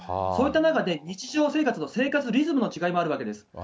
そういった中で、日常生活の生活リズムの違いもあるわけです。